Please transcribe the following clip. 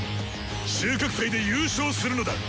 収穫祭で優勝するのだ！